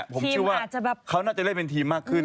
ผมเชื่อว่าเขาน่าจะเล่นเป็นทีมมากขึ้น